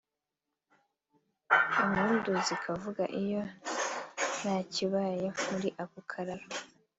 Impundu zikavuga iyo ntakibaye muri ako kararo